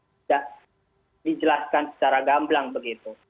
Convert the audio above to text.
tidak dijelaskan secara gamblang begitu